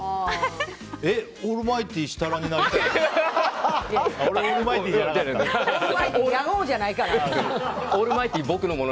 え、オールマイティー設楽になりたいの？